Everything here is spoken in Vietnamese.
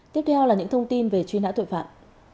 tiếp theo là những thông tin về truy nã tội phạm